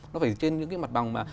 nó phải trên những cái mặt bằng mà